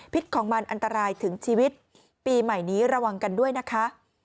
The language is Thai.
ของมันอันตรายถึงชีวิตปีใหม่นี้ระวังกันด้วยนะคะ